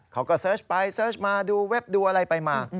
เขาก็เสิร์ชไปเสิร์ชมาดูเว็บดูอะไรไปมา